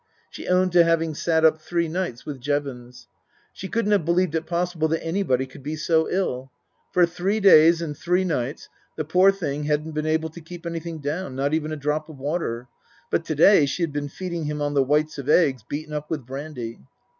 She owned to having sat up three nights with Jevons. She couldn't have believed it possible that anybody could be so ill. For three days and three nights the poor thing hadn't been able to keep anything down not even a drop of water. But to day she had been feeding him on the whites of eggs beaten up with brandy.